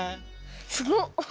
すごっ！